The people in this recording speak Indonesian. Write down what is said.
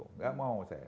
tidak mau saya